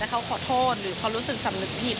ถ้าขอโทษถ้าเขารู้สึกสำนึงผิด